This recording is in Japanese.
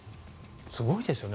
すごいですよね